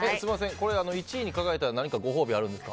これは１位に輝いたら何かご褒美あるんですか？